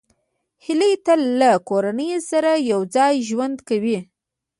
هیلۍ تل له کورنۍ سره یوځای ژوند کوي